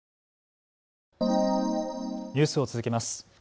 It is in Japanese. ニュースを続けます。